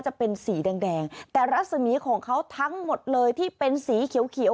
จะเป็นสีแดงแต่รัศมีของเขาทั้งหมดเลยที่เป็นสีเขียว